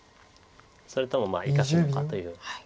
それとも生かすのかという。